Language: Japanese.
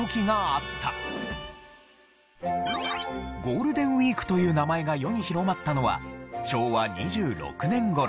ゴールデンウィークという名前が世に広まったのは昭和２６年頃。